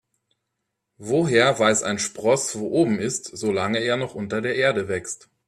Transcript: Woher weiß ein Spross, wo oben ist, solange er noch unter der Erde wächst?